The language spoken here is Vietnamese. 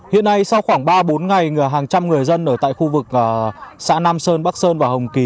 hiện nay sau khoảng ba bốn ngày hàng trăm người dân ở tại khu vực xã nam sơn bắc sơn và hồng kỳ